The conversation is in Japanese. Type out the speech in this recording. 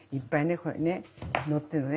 これね載ってるのね。